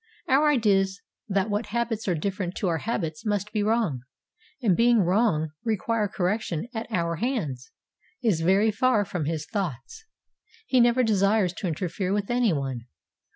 Our ideas that what habits are different to our habits must be wrong, and being wrong, require correction at our hands, is very far from his thoughts. He never desires to interfere with anyone.